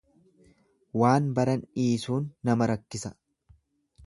Waan baran dhisuun nama rakkisa.